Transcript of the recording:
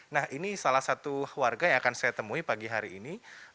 nah ini salah satu warga yang akan saya temui pagi hari ini